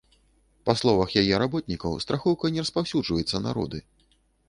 Па словах яе работнікаў, страхоўка не распаўсюджваецца на роды.